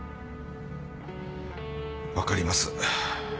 分かります。